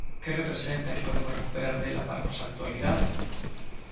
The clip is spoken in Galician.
Que representa e que podemos recuperar dela para a nosa actualidade?